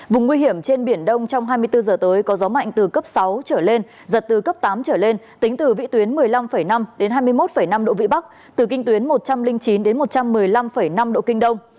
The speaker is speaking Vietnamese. vùng nguy hiểm trên biển đông trong hai mươi bốn h tới có gió mạnh từ cấp sáu trở lên giật từ cấp tám trở lên tính từ vị tuyến một mươi năm năm đến hai mươi một năm độ vĩ bắc từ kinh tuyến một trăm linh chín một trăm một mươi năm năm độ kinh đông